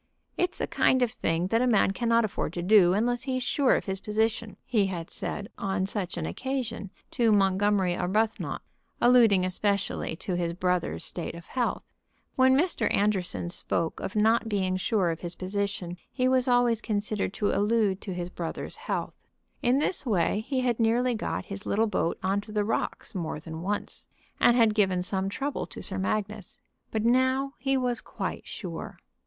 "It is a kind of thing that a man cannot afford to do unless he's sure of his position," he had said on such an occasion to Montgomery Arbuthnot, alluding especially to his brother's state of health. When Mr. Anderson spoke of not being sure of his position he was always considered to allude to his brother's health. In this way he had nearly got his little boat on to the rocks more than once, and had given some trouble to Sir Magnus. But now he was quite sure.